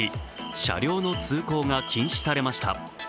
車両の通行が禁止されました。